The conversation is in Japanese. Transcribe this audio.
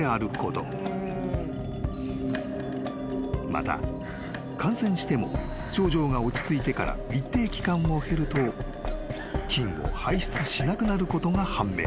［また感染しても症状が落ち着いてから一定期間を経ると菌を排出しなくなることが判明］